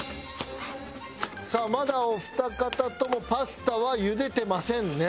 さあまだお二方ともパスタは茹でてませんね。